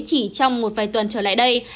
chỉ trong một vài tuần trở lại đây